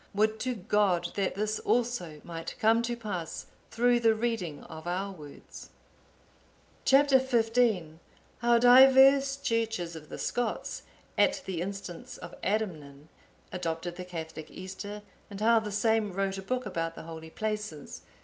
Would to God that this also might come to pass through the reading of our words! Chap. XV. How divers churches of the Scots, at the instance of Adamnan, adopted the Catholic Easter; and how the same wrote a book about the holy places.